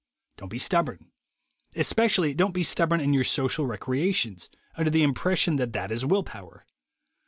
Don't be stubborn. Especially don't be stubborn in your social recreations, under the impression that that is will power.